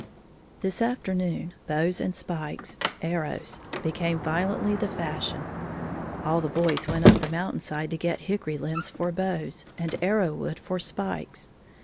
_ This afternoon bows and spikes (arrows) became violently the fashion. All the boys went up the mountain side to get hickory limbs for bows, and arrowwood for "spikes".